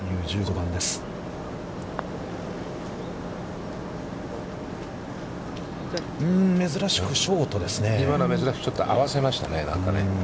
今の珍しくちょっと合わせましたね、なんかね。